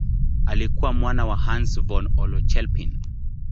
Alikuwa mwana wa Hans von Euler-Chelpin.